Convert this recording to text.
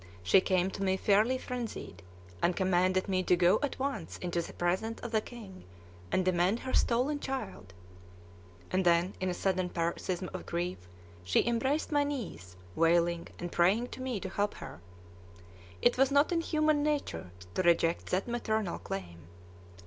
She came to me fairly frenzied, and "commanded" me to go at once into the presence of the king and demand her stolen child; and then, in a sudden paroxysm of grief, she embraced my knees, wailing, and praying to me to help her. It was not in human nature to reject that maternal claim.